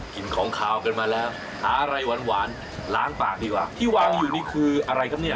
กินของขาวกันมาแล้วหาอะไรหวานหวานล้างปากดีกว่าที่วางอยู่นี่คืออะไรครับเนี่ย